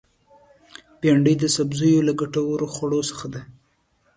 بېنډۍ د سبزیو له ګټورو خوړو څخه ده